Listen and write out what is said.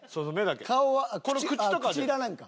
顔は口いらないんか。